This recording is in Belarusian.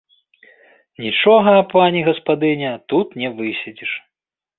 Нічога, пані гаспадыня, тут не выседзіш.